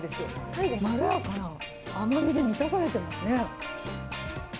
最後、まろやかな甘みで満たされてますね。